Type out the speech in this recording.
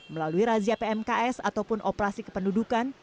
melalui razia pmks ataupun operasi kependudukan